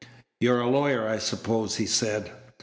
"You're a lawyer, I suppose?" he said.